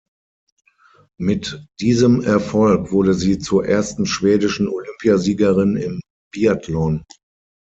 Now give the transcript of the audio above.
Mit diesem Erfolg wurde sie zur ersten schwedischen Olympiasiegerin im Biathlon.